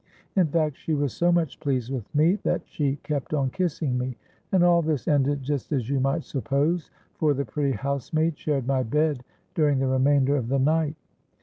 In fact she was so much pleased with me, that she kept on kissing me; and all this ended just as you might suppose—for the pretty housemaid shared my bed during the remainder of the night.